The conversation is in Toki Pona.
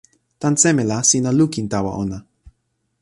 tan seme la sina lukin tawa ona?